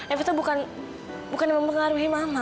evita bukan mempengaruhi mama